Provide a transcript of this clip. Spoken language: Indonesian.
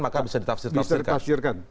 maka bisa ditafsirkan bisa ditafsirkan